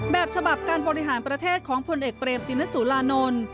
แบบฉบับการบริหารประเทศของผลเอกเรมตินสุรานนท์